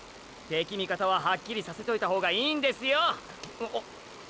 敵味方ははっきりさせといた方がいいんですよ！！